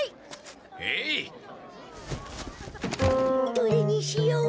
どれにしよう。